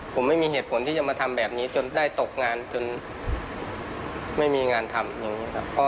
ผมไม่มีเหตุผลที่จะมาทำแบบนี้จนได้ตกงานจนไม่มีงานทำอย่างนี้ครับ